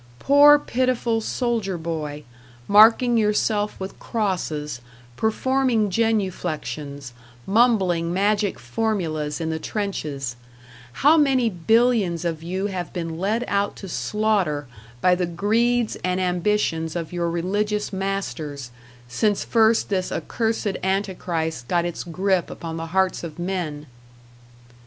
Poor, pitiful soldier boy, marking yourself with crosses, performing genuflexions, mumbling magic formulas in the trenches how many billions of you have been led out to slaughter by the greeds and ambitions of your religious masters, since first this accursed Antichrist got its grip upon the hearts of men!